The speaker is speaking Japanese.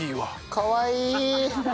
かわいい！